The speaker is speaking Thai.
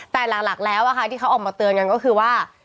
แต่หลักแล้วที่เขาออกมาเตือนกันก็คือว่า